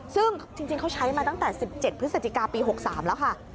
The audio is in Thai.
ซึ่งจริงเขาใช้มาตั้งแต่๑๗พฤศจิกาปี๖๓แล้วค่ะ